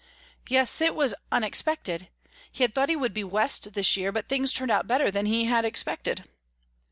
"Yes, it was unexpected. He had thought he would be West this year, but things turned out better than he had expected."